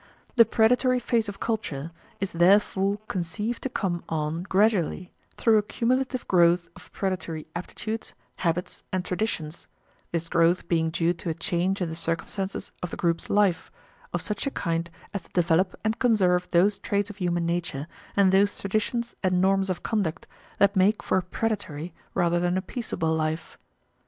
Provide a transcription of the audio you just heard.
The predatory phase of culture is therefore conceived to come on gradually, through a cumulative growth of predatory aptitudes habits, and traditions this growth being due to a change in the circumstances of the group's life, of such a kind as to develop and conserve those traits of human nature and those traditions and norms of conduct that make for a predatory rather than a peaceable life.